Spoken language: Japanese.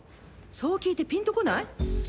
そう聞いて、ピンとこない？